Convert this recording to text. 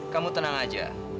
kamu tenang aja